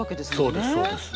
そうですそうです。